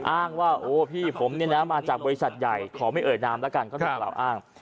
อ้างว่าโอ้พี่ผมมาจากบริษัทใหญ่ขอไม่เอ่ยน้ำแล้วกันก็โดนหลอกอ้าง